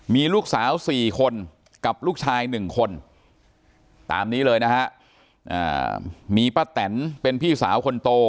มีลูกสาว๔คนกับลูกชาย๑คนตามนี้เลยนะฮะมีป้าแตนเป็นพี่สาวคนโต